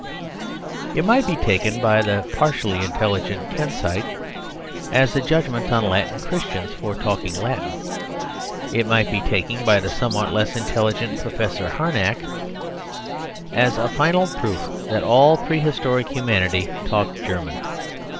It might be taken by the partially intelligent Kensitite as a judgment on Latin Christians for talking Latin. It might be taken by the somewhat less intelligent Professor Harnack as a final proof that all prehistoric humanity talked German.